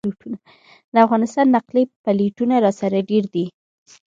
د افغانستان نقلي پلېټونه راسره ډېر دي.